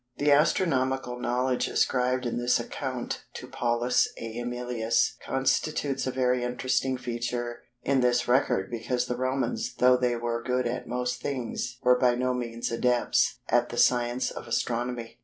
The astronomical knowledge ascribed in this account to Paulus Æmilius, constitutes a very interesting feature in this record because the Romans though they were good at most things, were by no means adepts at the science of Astronomy.